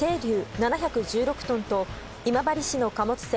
７１６トンと今治市の貨物船